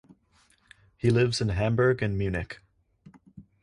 He lives in Hamburg and Munich.